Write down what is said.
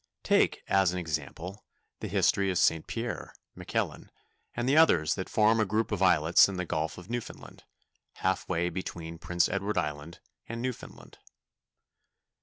Take, as an example, the history of St. Pierre, Miquelon, and the others that form a group of islets in the Gulf of Newfoundland, half way between Prince Edward Island and Newfoundland.